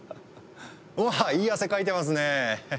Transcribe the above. おっいい汗かいてますね！